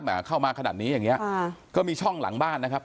เข้ามาขนาดนี้อย่างเงี้ก็มีช่องหลังบ้านนะครับ